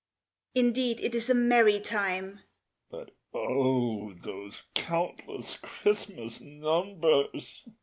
_) Indeed it is a merry time; (_But O! those countless Christmas numbers!